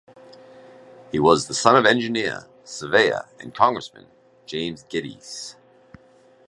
He was the son of engineer, surveyor and Congressman James Geddes.